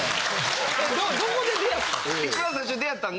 えどこで出会ったん？